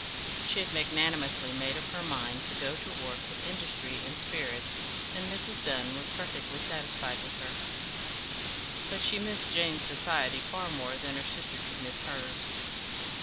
She had magnanimously made up her mind to go to work with industry and spirit, and Mrs. Dunn was perfectly satisfied with her. But she missed Jane's society far more than her sister could miss hers.